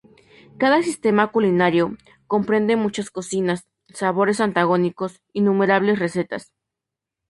Cada sistema culinario comprende muchas cocinas, sabores antagónicos, innumerables recetas.